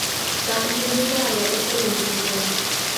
Так не бывае ў прынцыпе.